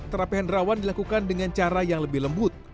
terapi kendrawan dilakukan dengan cara yang lebih lembut